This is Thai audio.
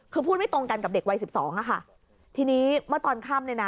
คือพูดไม่ตรงกันกับเด็กวัยสิบสองอ่ะค่ะทีนี้เมื่อตอนค่ำเนี่ยนะ